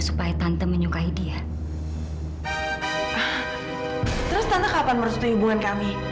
kafa kagum kemening gawan kak